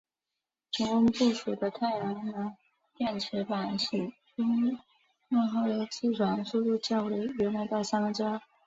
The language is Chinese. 成功布署的太阳能电池板使朱诺号的自转速度降为原来的三分之二。